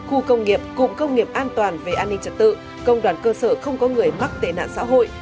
khu công nghiệp cụm công nghiệp an toàn về an ninh trật tự công đoàn cơ sở không có người mắc tệ nạn xã hội